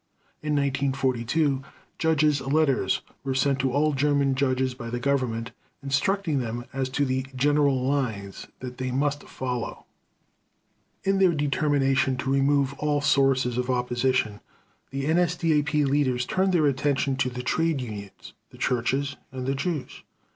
In 1942 "judges' letters" were sent to all German judges by the Government, instructing them as to the "general lines" that they must follow. In their determination to remove all sources of opposition, the NSDAP leaders turned their attention to the trade unions, the churches, and the Jews.